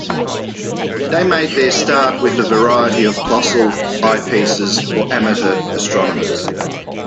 They made their start with a variety of Plossl eyepieces for amateur astronomers.